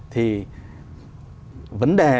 thì vấn đề